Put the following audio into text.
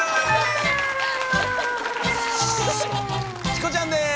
チコちゃんです。